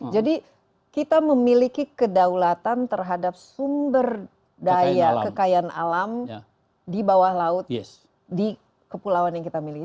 jadi kita memiliki kedaulatan terhadap sumber daya kekayaan alam di bawah laut di kepulauan yang kita miliki